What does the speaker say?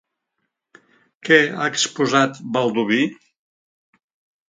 Què ha exposat Baldoví?